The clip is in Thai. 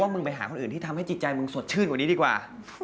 มึงไปหาคนอื่นที่ทำให้จิตใจมึงสดชื่นกว่านี้ดีกว่า